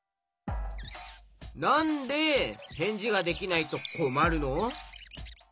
なんでへんじができないとこまるの？